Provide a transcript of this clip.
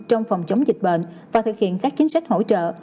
trong phòng chống dịch bệnh và thực hiện các chính sách hỗ trợ